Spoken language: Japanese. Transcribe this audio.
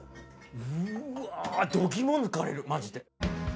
うわあ度肝抜かれるマジで。